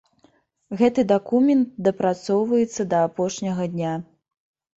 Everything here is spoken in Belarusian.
Гэты дакумент дапрацоўваецца да апошняга дня.